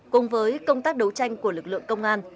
cùng với công tác đấu tranh của lực lượng công an